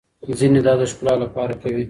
ځينې دا د ښکلا لپاره کوي.